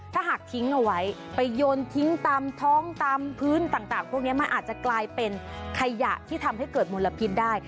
ถ้าหากทิ้งเอาไว้ไปโยนทิ้งตามท้องตามพื้นต่างพวกนี้มันอาจจะกลายเป็นขยะที่ทำให้เกิดมลพิษได้